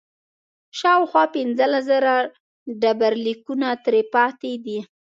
شاوخوا پنځلس زره ډبرلیکونه ترې پاتې دي